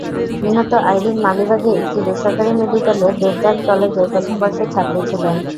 নিহত আইরিন মালিবাগে একটি বেসরকারি মেডিকেলের ডেন্টাল কলেজের প্রথম বর্ষের ছাত্রী ছিলেন।